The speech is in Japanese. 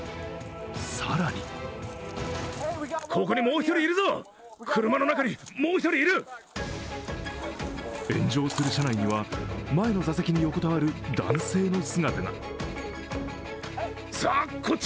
更に炎上する車内には前の座席に横たわる男性の姿が。